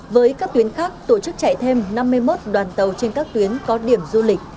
với các tuyến khác tổ chức chạy thêm năm mươi một đoàn tàu trên các tuyến có điểm du lịch